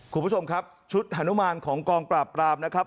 คุณผู้ชมครับชุดฮานุมานของกองปราบปรามนะครับ